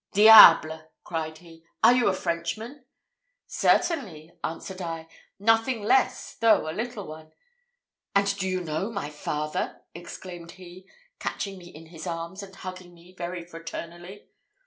'Diable!' cried he, 'are you a Frenchman?' 'Certainly,' answered I, 'nothing less, though a little one.' 'And do you know my father?' exclaimed he, catching me in his arms, and hugging me very fraternally.